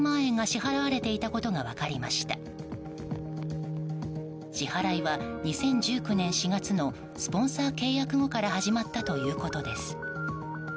支払いは２０１９年４月のスポンサー契約後から始まったということです。